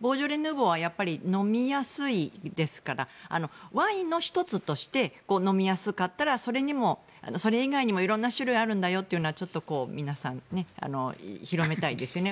ボージョレ・ヌーボーはやっぱり飲みやすいですからワインの１つとして飲みやすかったらそれ以外にも色んな種類があるんだよというのはちょっと皆さんに広めたいですよね。